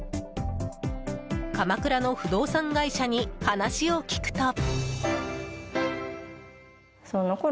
鎌倉の不動産会社に話を聞くと。